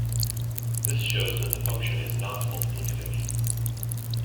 This shows that the function is not multiplicative.